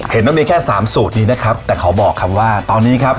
เห็นว่ามีแค่สามสูตรนี้นะครับแต่ขอบอกคำว่าตอนนี้ครับ